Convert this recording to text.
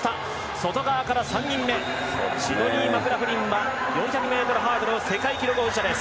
外側から３人目のシドニー・マクラフリンは４００ｍハードル世界記録保持者です。